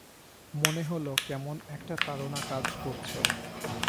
মনে হলো কেমন একটা তাড়না কাজ করছে।